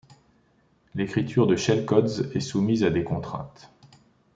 L'écriture de shellcodes est soumise à des contraintes.